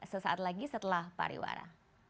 sesaat lagi setelah pariwara